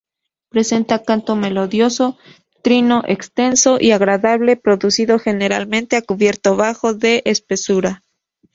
Presenta canto melodioso, trino extenso y agradable, producido generalmente a cubierto bajo la espesura.